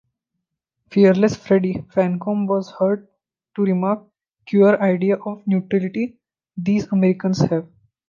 "Fearless Freddie" Farncomb-was heard to remark: "Queer idea of 'neutrality' these Americans have!